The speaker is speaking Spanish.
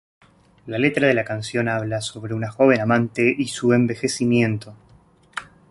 La letra de la canción habla sobre un joven amante y su envejecimiento.